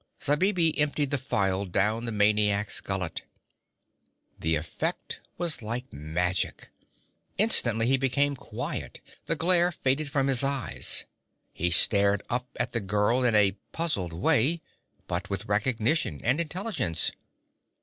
Zabibi emptied the phial down the maniac's gullet. The effect was like magic. Instantly he became quiet. The glare faded from his eyes; he stared up at the girl in a puzzled way, but with recognition and intelligence.